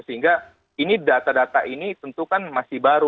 sehingga ini data data ini tentu kan masih baru